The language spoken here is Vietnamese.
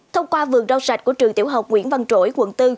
thông qua vườn rau sạch của trường tiểu học nguyễn văn trỗi quận bốn